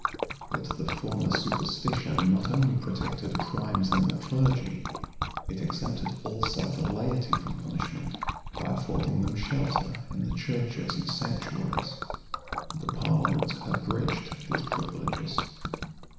[*] But the former superstition not only protected crimes in the clergy; it exempted also the laity from punishment, by affording them shelter in the churches and sanctuaries. The parliament abridged these privileges.